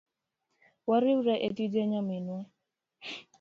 Wariwre etijni nyaminwa.